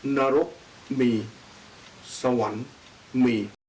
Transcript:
นรกมีสวรรค์มี